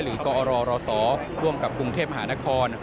หรือก็รอรสอร์ร่วมกับกรุงเทพฯหานคร